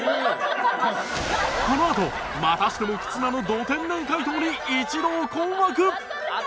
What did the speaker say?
このあとまたしても忽那のド天然回答に一同困惑！